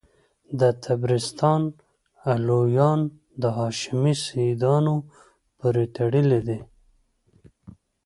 د طبرستان علویان د هاشمي سیدانو پوري تړلي دي.